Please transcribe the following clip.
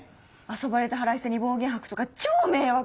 遊ばれた腹いせに暴言吐くとか超迷惑！